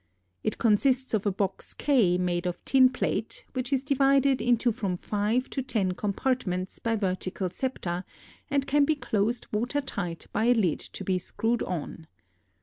It consists of a box K made of tin plate, which is divided into from five to ten compartments by vertical septa and can be closed water tight by a lid to be screwed on.